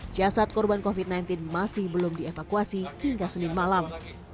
jasad korban covid sembilan belas masih belum dievakuasi hingga senin malam